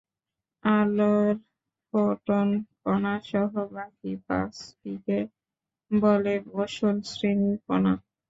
আলোর ফোটন কণাসহ বাকি পাঁচটিকে বলে বোসন শ্রেণির কণা।